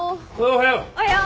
おはよう。